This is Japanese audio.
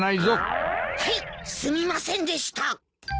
はいすみませんでした。